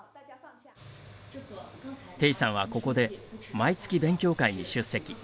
程さんは、ここで毎月勉強会に出席。